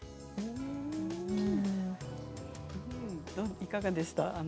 いかがでしたか？